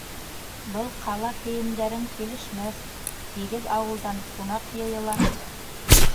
— Был ҡала кейемдәрең килешмәҫ, һигеҙ ауылдан ҡунаҡ йыйыла.